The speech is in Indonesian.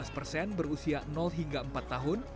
lima belas persen berusia hingga empat tahun